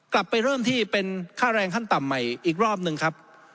กลับไปเริ่มที่เป็นค่าแรงขั้นต่ำใหม่อีกรอบหนึ่งครับ